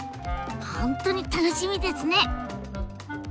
本当に楽しみですね！